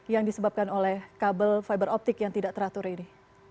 yang disebabkan oleh kabel fiber optik yang tidak teratur ini